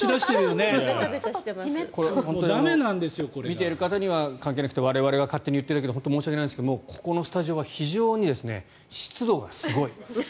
見てる方には関係なくて我々が勝手に言ってるだけで本当申し訳ないですがここのスタジオは非常に湿度がすごい。